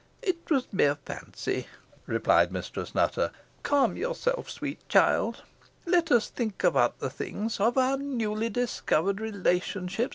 "It was mere fancy," replied Mistress Nutter. "Calm yourself, sweet child. Let us think of other things of our newly discovered relationship.